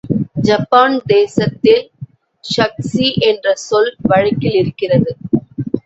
Japan தேசத்தில் ஷக்சி என்ற சொல், வழக்கில் இருக்கிறது.